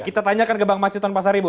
kita tanyakan ke bang maceton pasar ibu